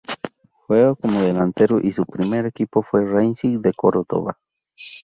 Juega como delantero y su primer equipo fue Racing de Córdoba.